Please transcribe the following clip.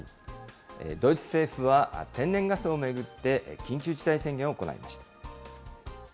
ドイツ政府は、天然ガスを巡って緊急事態宣言を行いました。